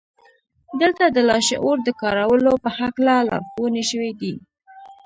دلته د لاشعور د کارولو په هکله لارښوونې شوې دي